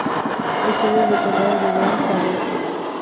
Es sede del condado de Grand Traverse.